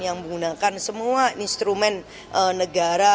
yang menggunakan semua instrumen negara